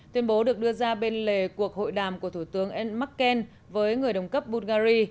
tuyên bố được đưa ra bên lề cuộc hội đàm của thủ tướng merkel với người đồng cấp bulgari